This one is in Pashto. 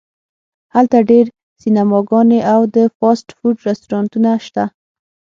هلته ډیر سینماګانې او د فاسټ فوډ رستورانتونه شته